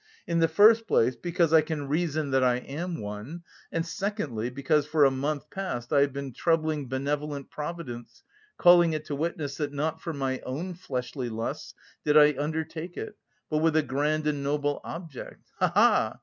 "In the first place, because I can reason that I am one, and secondly, because for a month past I have been troubling benevolent Providence, calling it to witness that not for my own fleshly lusts did I undertake it, but with a grand and noble object ha ha!